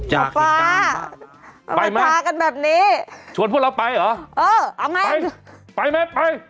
หมอป่ามาช่ากันแบบนี้ไปไหมชวนพวกเราไปเหรอเออเอาไงไปไปไหมไป